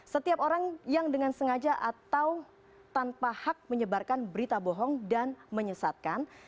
setiap orang yang dengan sengaja atau tanpa hak menyebarkan berita bohong dan menyesatkan